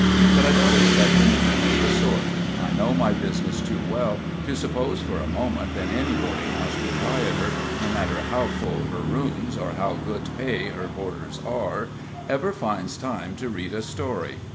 But I don't expect anything of the sort; I know my business too well to suppose for a moment that any boarding house proprietor, no matter how full her rooms, or how good pay her boarders are, ever finds time to read a story.